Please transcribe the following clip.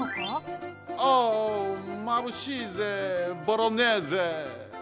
オーまぶしいぜボロネーゼ！